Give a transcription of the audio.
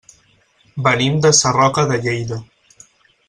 Venim de Sarroca de Lleida.